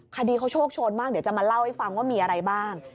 คดีเขาโชคโชนมากเดี๋ยวจะมาเล่าให้ฟังว่ามีอะไรบ้าง